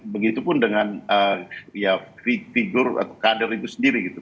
begitupun dengan ya figur atau kader itu sendiri gitu